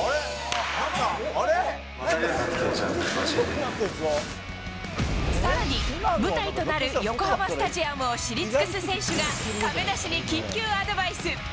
当たるようになってきた、さらに、舞台となる横浜スタジアムを知り尽くす選手が、亀梨に緊急アドバイス。